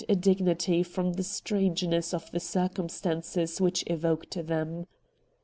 JAMES'S ST loi dignity from the strangeness of the circum stances which evoked them.